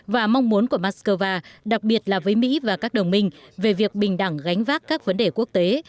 và mong muốn của moscow đặc biệt là với mỹ và các đồng minh về việc bình đẳng gánh vác các vấn đề quốc tế